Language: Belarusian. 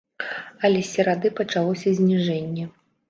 Але з серады пачалося зніжэнне.